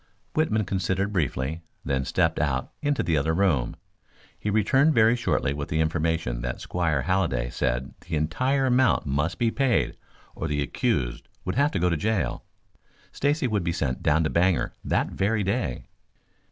Whitman considered briefly, then stepped out into the other room. He returned very shortly with the information that Squire Halliday said the entire amount must be paid or the accused would have to go to jail. Stacy would be sent down to Bangor that very day.